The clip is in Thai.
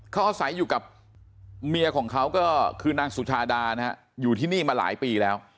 เขาอาศัยอยู่กับเมียของเขาก็คือนางสุชาดานะฮะอยู่ที่นี่มาหลายปีแล้ว